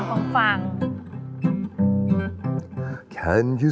มีคนเดียว